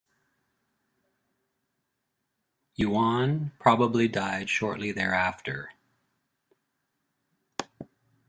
Yuan probably died shortly thereafter.